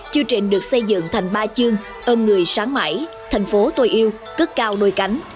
chương trình được xây dựng thành ba chương ân người sáng mãi thành phố tôi yêu cất cao đôi cánh